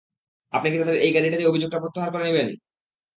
আপনি কী তাদের এই গাড়িটা দিয়ে অভিযোগটা প্রত্যাহার করে দিবেন?